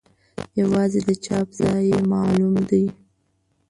یوازې د چاپ ځای یې معلوم دی.